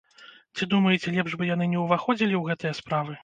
Ці думаеце, лепш бы яны не ўваходзілі ў гэтыя справы?